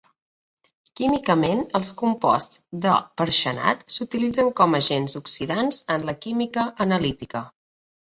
Químicament, els composts de perxenat s'utilitzen com a agents oxidants en la química analítica.